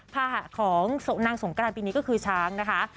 ภาหะของนางสงกรานปีนี้ก็คือช้างนะคะ